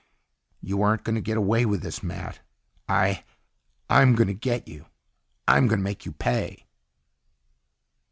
"You aren't going to get away with this, Matt. I ... I'm going to get you. I'm going to make you pay."